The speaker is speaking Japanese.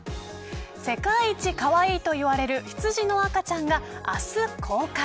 世界一かわいいといわれる羊の赤ちゃんが明日、公開。